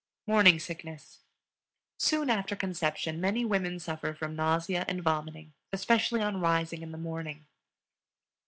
Morning Sickness. Soon after conception many women suffer from nausea and vomiting, especially on rising in the morning.